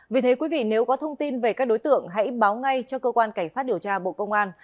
vì thế quý vị nếu có thông tin về các đối tượng hãy báo ngay cho cơ quan cảnh sát điều tra bộ công an